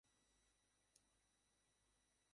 বেদান্ত ছিল তার ধর্ম সাধনার মূল ভিত্তি।